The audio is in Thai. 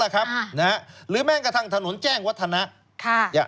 หรือแม้กระทั่งถนนแจ้งวัฒนะ